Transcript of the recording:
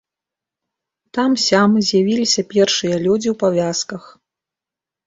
Там-сям з'явіліся першыя людзі ў павязках.